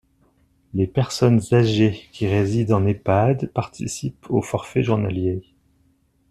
Les personnes âgées qui résident en EHPAD participent au forfait journalier.